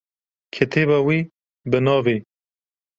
Kitêba wî bi navê